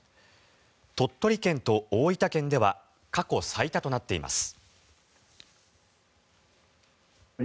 鳥取県と大分県では過去最多となっています。